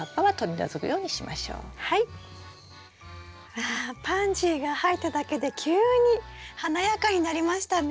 わパンジーが入っただけで急に華やかになりましたね。